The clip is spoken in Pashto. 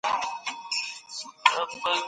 هغه په ډېر مهارت خپل کار پای ته ورساوه.